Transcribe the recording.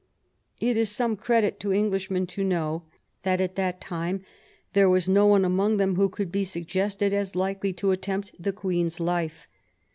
It is some credit to Englishmen to know that at that time there was no one among them who could be suggested as likely to attempt the Queen's life.